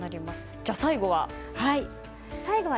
じゃあ、最後は？